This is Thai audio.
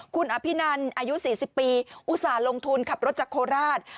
คุณอภินันอายุ๔๐ปีอุตส่าห์ลงทุนขับรถจากโคราช